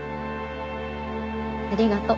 ありがとう。